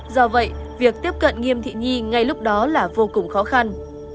do vậy việc tiếp cận nghiêm thị nhi ngay lúc đó là vô cùng khó khăn